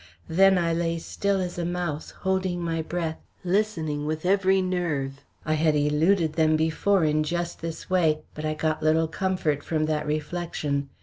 Then I lay still as a mouse, holding my breath, listening with every nerve. I had eluded them before in just this way, but I got little comfort from that reflection.